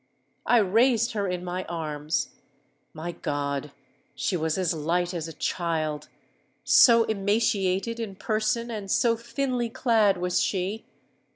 I raised her in my arms:—my God! she was as light as a child—so emaciated in person and so thinly clad was she!